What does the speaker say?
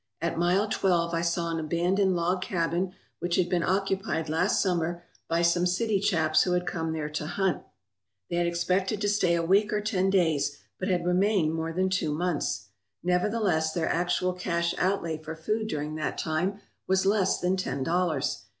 At Mile Twelve I saw an abandoned log cabin which had been occupied last summer by some city chaps who had come there to hunt. They had ex pected to stay a week or ten days but had remained more than two months. Nevertheless, their actual cash outlay for food during that time was less than ten dollars.